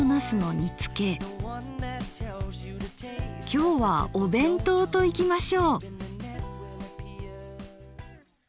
きょうはお弁当といきましょう。